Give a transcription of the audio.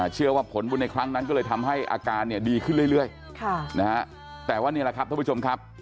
ผลบุญในครั้งนั้นก็เลยทำให้อาการเนี่ยดีขึ้นเรื่อยแต่ว่านี่แหละครับท่านผู้ชมครับ